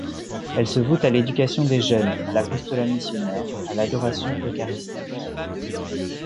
Elles se vouent à l'éducation des jeunes, à l'apostolat missionnaire, à l'adoration eucharistique.